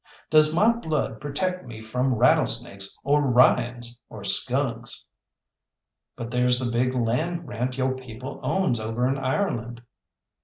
Does my blood protect me from rattlesnakes, or Ryans, or skunks?" "But there's the big land grant yo' people owns over in Ireland."